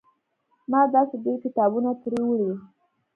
ما داسې ډېر کتابونه ترې وړي.